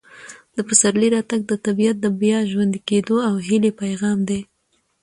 د پسرلي راتګ د طبیعت د بیا ژوندي کېدو او هیلې پیغام دی.